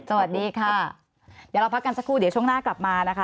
สวัสดีค่ะเดี๋ยวเราพักกันสักครู่เดี๋ยวช่วงหน้ากลับมานะคะ